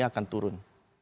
jadi akan turun